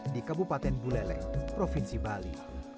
di kabupaten bulele provinsi bali